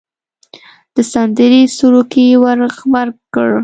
د سندرې سروکی ور غبرګ کړ.